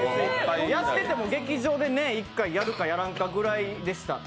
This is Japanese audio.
やってても劇場で１回、２回やるか、やらないかぐらいでした。